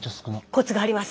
コツがあります。